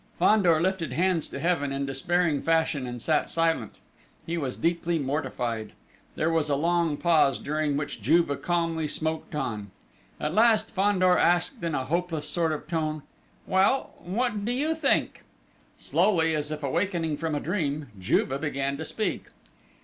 Fandor lifted hands to heaven in despairing fashion and sat silent. He was deeply mortified. There was a long pause, during which Juve calmly smoked on. At last, Fandor asked in a hopeless sort of tone: "Well?... What do you think?" Slowly, as if awakening from a dream, Juve began to speak.